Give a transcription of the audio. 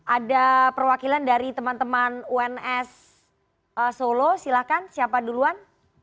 ada perwakilan dari teman teman uns solo silahkan siapa duluan